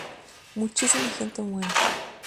Muchísima gente muere.